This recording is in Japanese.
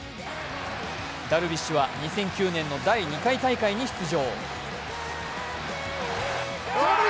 ダルビッシュは２００９年の第２回大会に出場。